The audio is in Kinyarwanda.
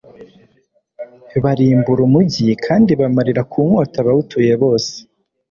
barimbura umugi kandi bamarira ku nkota abawutuye bose